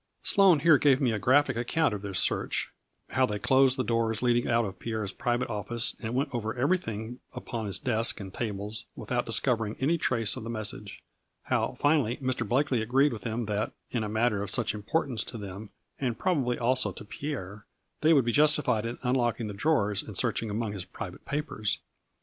183 Sloane here gave me a graphic account of their search, how they closed the doors leading out of Pierre's private office and went over everything upon his desk and tables, without discovering any trace of the message; how finally Mr. Blakely agreed with him that, in a matter of such importance to them, and probab ly also to Pierre, they would be justified in un locking the drawers and searching among his private papers.